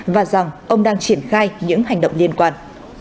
và rằng ông đang triển khai những hành động liên quan